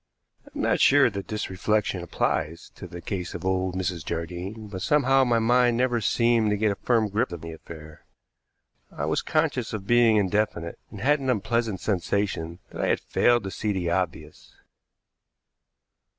I am not sure that this reflection applies to the case of old Mrs. Jardine, but somehow my mind never seemed to get a firm grip of the affair. I was conscious of being indefinite, and had an unpleasant sensation that I had failed to see the obvious.